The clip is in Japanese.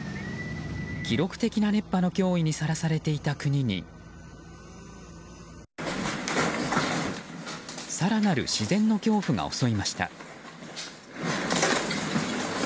記録的な熱波の脅威にさらされていた国に更なる自然の恐怖が襲いました。